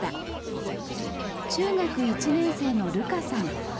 中学１年生の琉花さん。